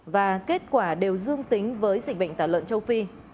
và kết quả đều dương tính với dịch bệnh tả lợn châu phi